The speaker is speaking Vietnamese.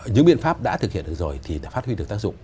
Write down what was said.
những biện pháp đã thực hiện được rồi thì đã phát huy được tác dụng